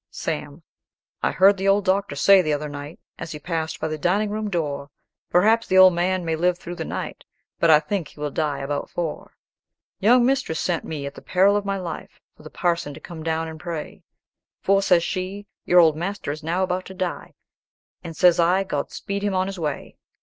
Sam. "I heard the old doctor say the other night, As he passed by the dining room door 'Perhaps the old man may live through the night, But I think he will die about four.' Young mistress sent me, at the peril of my life, For the parson to come down and pray, For says she, 'Your old master is now about to die,' And says I, 'God speed him on his way.'